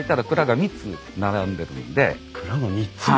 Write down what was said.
蔵が３つも？